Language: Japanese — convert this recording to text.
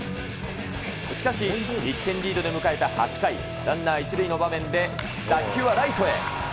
しかし、１点リードで迎えた８回、ランナー１塁の場面で、打球はライトへ。